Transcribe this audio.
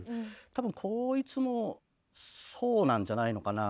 多分こいつもそうなんじゃないのかな。